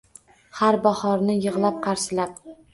Har bahorni yig’lab qarshilab